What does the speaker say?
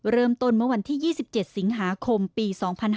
เริ่มต้นเมื่อวันที่๒๗สิงหาคมปี๒๕๕๙